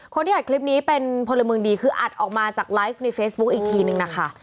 คนที่อัดคลิปนี้เป็นพลเมืองดีคืออัดออกมาจากไลฟ์ในเฟซบุ๊คอีกทีนึงนะคะ